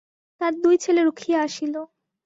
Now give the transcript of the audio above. তার দুই ছেলে রুখিয়া আসিল।